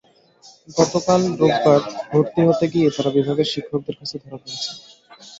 গতকাল রোববার ভর্তি হতে গিয়ে তাঁরা বিভাগের শিক্ষকদের কাছে ধরা পড়েন।